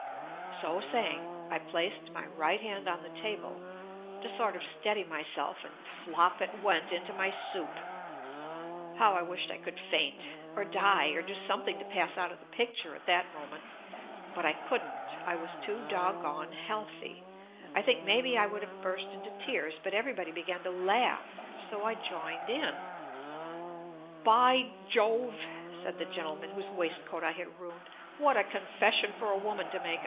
So saying, I placed my right hand on the table to sort of steady myself and flop it went into my soup. How I wished I could faint, or die, or do something to pass out of the picture at that moment, but I couldn't, I was too dog gone healthy — I think maybe I would have burst into tears, but every body began to laugh so I joined in. "By Jove!" said the gentleman whose waistcoat I had ruined. "What a confession for a woman to make.